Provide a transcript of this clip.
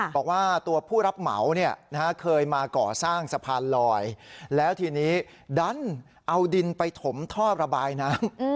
บอกว่าตัวผู้รับเหมาเคยมาก่อสร้างสะพานลอยแล้วทีนี้ดันเอาดินไปถมท่อระบายน้ำ